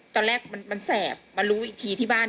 ตอนแรกมันแสบมารู้อีกทีที่บ้าน